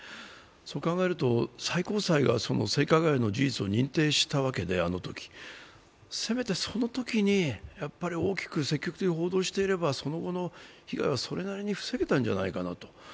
そう考えると、最高裁が性加害の事実をあのとき認定したわけで、せめて、そのときに大きく、積極的に報道していたら、その後の被害はそれなりに防げたんではないかと。